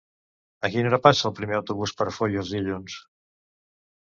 A quina hora passa el primer autobús per Foios dilluns?